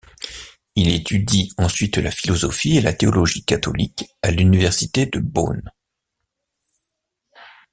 Il étudie ensuite la philosophie et la théologie catholique à l'université de Bonn.